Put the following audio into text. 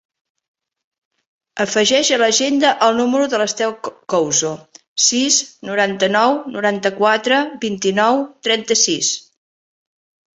Afegeix a l'agenda el número de l'Estel Couso: sis, noranta-nou, noranta-quatre, vint-i-nou, trenta-sis.